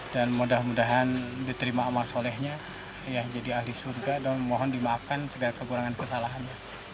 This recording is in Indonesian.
dan mudah mudahan diterima amat solehnya jadi ahli surga dan mohon dimaafkan segala kekurangan kesalahannya